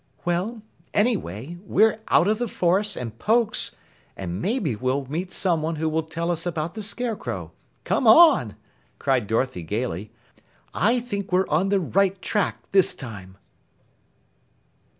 "Well, anyway, we're out of the forest and Pokes, and maybe we'll meet someone who will tell us about the Scarecrow. Come on!" cried Dorothy gaily. "I think we're on the right track this time."